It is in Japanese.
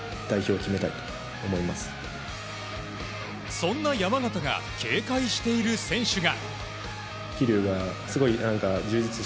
そんな山縣が警戒している選手が。